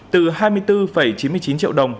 từ hai mươi bốn chín mươi chín triệu đồng